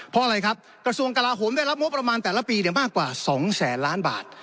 เพราะอะไรครับกระทรวงกลาโหมได้รับงบประมาณแต่ละปีมากกว่า๒แสนล้านบาท